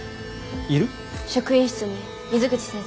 職員室に水口先生。